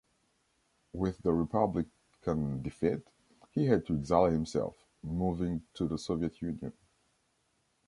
With the republican defeat, he had to exile himself, moving to the Soviet Union.